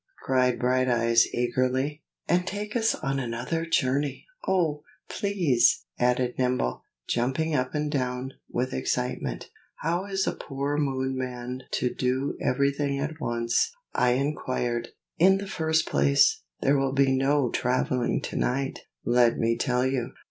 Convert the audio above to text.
cried Brighteyes eagerly. "And take us on another journey, oh! please!" added Nibble, jumping up and down, with excitement. "How is a poor Moonman to do everything at once?" I inquired. "In the first place, there will be no traveling to night, let me tell you.